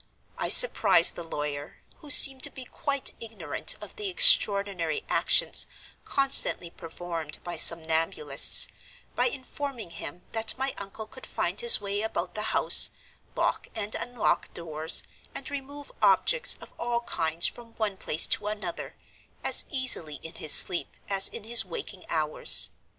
I surprised the lawyer (who seemed to be quite ignorant of the extraordinary actions constantly performed by somnambulists), by informing him that my uncle could find his way about the house, lock and unlock doors, and remove objects of all kinds from one place to another, as easily in his sleep as in his waking hours.